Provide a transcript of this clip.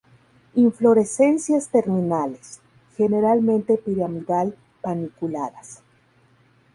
Inflorescencias terminales, generalmente piramidal-paniculadas.